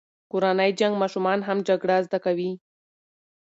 کورنی جنګ ماشومان هم جګړه زده کوي.